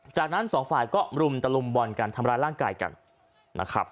จากนั้น๒ฝ่ายก็รุมตลุมบอนกันทำลายร่างกายกัน